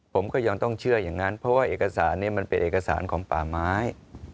ผมก็ยังต้องเชื่ออย่างนั้นเพราะว่าเอกสารนี้มันเป็นเอกสารของป่าไม้